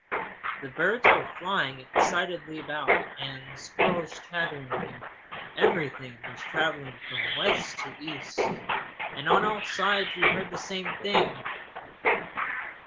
The birds were flying excitedly about, and the squirrels chattering, and everything was travelling from west to east, and on all sides we heard the same thing.